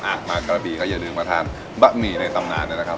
ใหม่มะกะบีที่อย่าลืมมาทานบะหมี่ในตำนานนะครับ